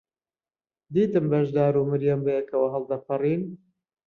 دیتم بەشدار و مەریەم بەیەکەوە هەڵدەپەڕین.